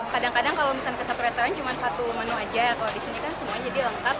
kadang kadang kalau misalnya ke satu restoran cuma satu menu aja kalau di sini kan semuanya jadi lengkap